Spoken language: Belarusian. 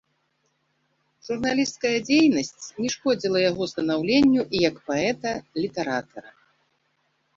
Журналісцкая дзейнасць не шкодзіла яго станаўленню і як паэта, літаратара.